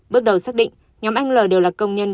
bước đầu xác định nhóm anh l đều là công nhân